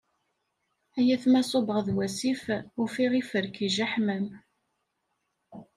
Ay atma ṣubbeɣ d wasif, ufiɣ lferk ijeḥmam.